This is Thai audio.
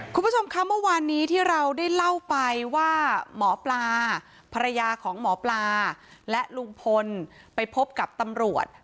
คุณผู้ชมคะเมื่อวานนี้ที่เราได้เล่าไปว่าหมอปลาภรรยาของหมอปลาและลุงพลไปพบกับตำรวจ